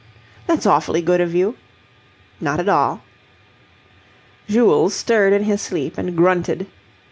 "That's awfully good of you." "Not at all." Jules stirred in his sleep and grunted.